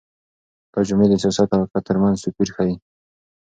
دا جملې د سياست او حقيقت تر منځ توپير ښيي.